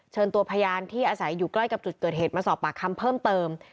เชิญตัวพยานที่อาศัยอยู่ใกล้กับจุดเกิดเหตุมาสอบปากคำเพิ่มเติม